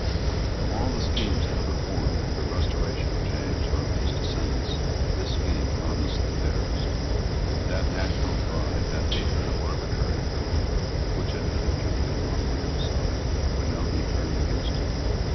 Of all the schemes ever formed for the restoration of James or of his descendants, this scheme promised the fairest. That national pride, that hatred of arbitrary power, which had hitherto been on William's side, would now be turned against him.